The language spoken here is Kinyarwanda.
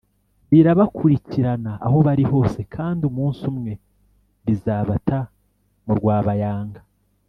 birabakurikirana aho bari hose kandi umunsi umwe bizabata mu rwabayanga